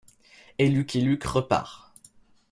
Et Lucky Luke repart.